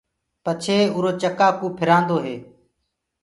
پڇي اُرو چڪآ ڪوُ ڦِرآندو هي۔